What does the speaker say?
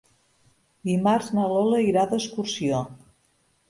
Dimarts na Lola irà d'excursió.